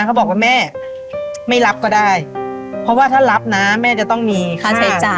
เขาบอกว่าแม่ไม่รับก็ได้เพราะว่าถ้ารับนะแม่จะต้องมีค่าใช้จ่าย